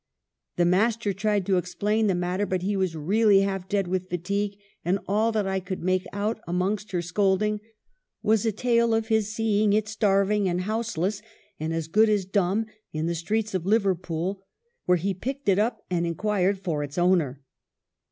The master tried to explain the matter ; but he was really half dead with fatigue, and all that I could make out, amongst her scolding, was a tale of his seeing it starving and houseless, and as good as dumb, in the streets of Liverpool, where he picked it up and inquired for its owner.